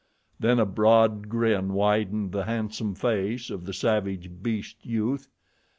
Then a broad grin widened the handsome face of the savage beast youth.